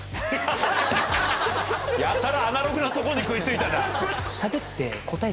やたらアナログなところに食い付いたな。